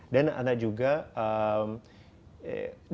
dan ada juga dampaknya